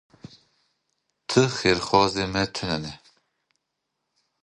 Tu xêrxwazê me tune ne.